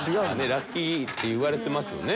ラッキーっていわれてますよね